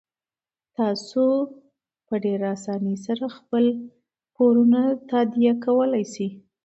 تاسو په ډیرې اسانۍ سره خپل پورونه تادیه کولی شئ.